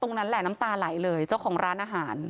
นั่นแหละน้ำตาไหลเลยเจ้าของร้านอาหาร